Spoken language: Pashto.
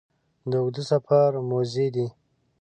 د اوږده سفر موزې دي